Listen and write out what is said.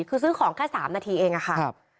คือซื้อของแค่๓นาทีเองอะค่ะ